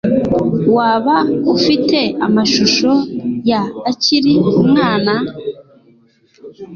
Waba ufite amashusho ya akiri umwana?